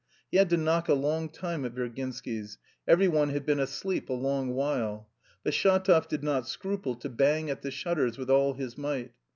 He had to knock a long time at Virginsky's; every one had been asleep a long while. But Shatov did not scruple to bang at the shutters with all his might.